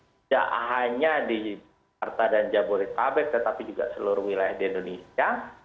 tidak hanya di jakarta dan jabodetabek tetapi juga seluruh wilayah di indonesia